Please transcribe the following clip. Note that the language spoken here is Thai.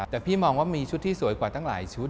แต่พี่มองว่ามีชุดที่สวยกว่าตั้งหลายชุด